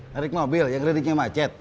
ngerik mobil yang ngeriknya macet